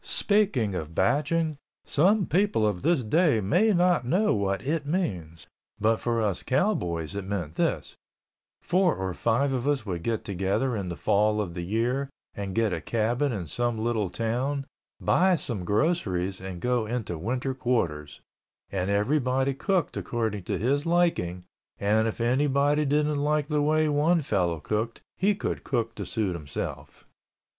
Speaking of batching, some people of this day may not know what it means. But for us cowboys it meant this: four or five of us would get together in the fall of the year and get a cabin in some little town, buy some groceries and go into winter quarters, and everybody cooked according to his liking and if anybody didn't like the way one fellow cooked he could cook to suit himself.